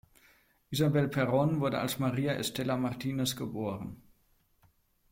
Isabel Perón wurde als María Estela Martínez geboren.